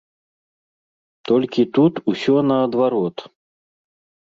Толькі тут усё наадварот.